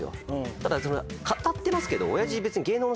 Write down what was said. ただ語ってますけど。